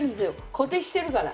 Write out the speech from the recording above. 固定してるから。